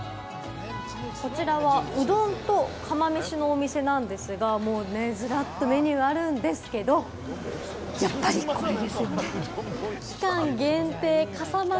こちらはうどんと釜めしのお店なんですが、ずらっとメニューあるんですけれども、やっぱりこれですよね。